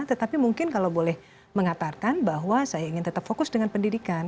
tetapi mungkin kalau boleh mengatakan bahwa saya ingin tetap fokus dengan pendidikan